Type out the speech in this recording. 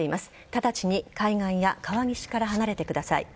直ちに海外や川岸から離れてください。